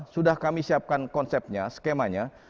sudah kami siapkan konsepnya skemanya